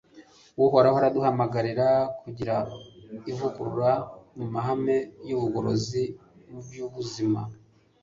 uhoraho araduhamagarira kugira ivugurura mu mahame y'ubugorozi mu by'ubuzima